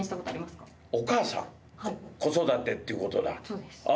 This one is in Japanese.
そうです。